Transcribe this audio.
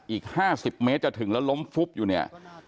อีกห้าสิบเมตรจะถึงและล้มฟลุ๊บอยู่นี่